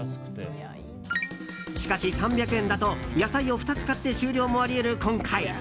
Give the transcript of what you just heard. しかし３００円だと野菜を２つ買って終了もあり得る今回。